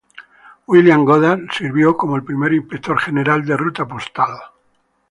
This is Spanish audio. William Goddard sirvió como el primer Inspector General de Ruta Postal.